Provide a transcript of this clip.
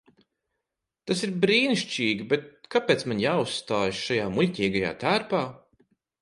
Tas ir brīnišķīgi, bet kāpēc man jāuzstājas šajā muļķīgajā tērpā?